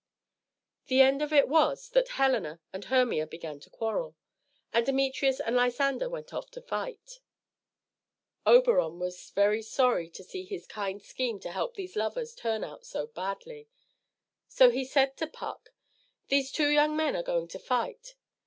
The end of it was that Helena and Hermia began to quarrel, and Demetrius and Lysander went off to fight. Oberon was very sorry to see his kind scheme to help these lovers turn out so badly. So he said to Puck "These two young men are going to fight.